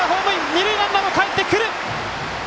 二塁ランナーもかえってくる！